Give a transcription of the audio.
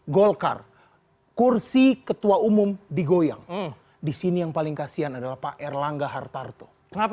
golkar kursi ketua umum digoyang disini yang paling kasihan adalah pak erlangga hartarto kenapa